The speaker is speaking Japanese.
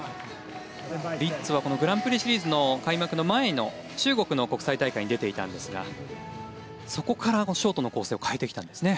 リッツォはグランプリシリーズの開幕の前の中国の国際大会に出ていたんですがそこからショートの構成を変えてきたんですね。